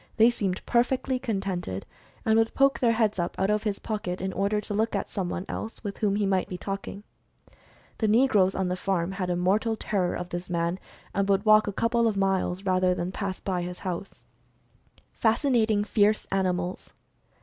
They seemed perfectly contented, and would poke their heads up from out of his pocket, in order to look at some one else with whom he might be talking. The negroes on the farm had a mortal terror of this man, and would walk a couple of miles rather than pass by his house. Mental Fascination Among Animals 19 FASCINATING FIERCE ANIMALS.